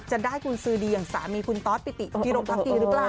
จะได้คุณซีดีอย่างสามีคุณธศพิติติรบทางดีรึเปล่า